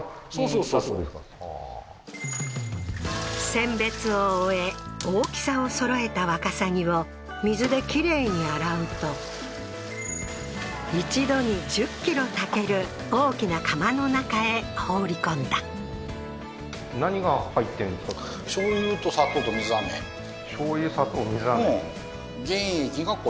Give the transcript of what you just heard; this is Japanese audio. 選別を終え大きさをそろえたワカサギを水できれいに洗うと一度に１０ｋｇ炊ける大きな釜の中へ放り込んだ醤油と砂糖と水飴醤油砂糖水飴？